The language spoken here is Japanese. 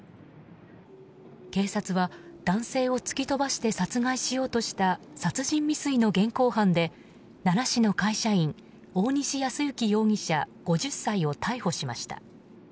警察は男性を突き飛ばして殺害しようとした殺人未遂の現行犯で奈良市の会社員大西康介容疑者、５０歳を逮捕しました。